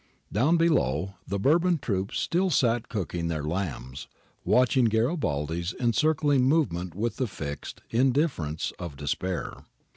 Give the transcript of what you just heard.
Down below, the Bourbon troops still sat cooking their lambs, and watching Garibaldi's encircling movement with the fixed indifference of despair.